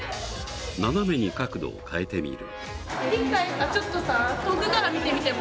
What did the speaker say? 斜めに角度を変えてみる。